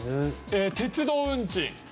鉄道運賃。